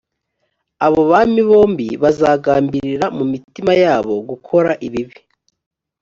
abo bami bombi bazagambirira mu mitima yabo gukora ibibi